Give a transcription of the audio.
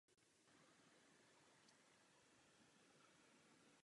Po většinu života pracoval převážně v Římě ve službách několika papežů.